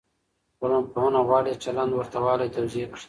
ټولنپوهنه غواړي د چلند ورته والی توضيح کړي.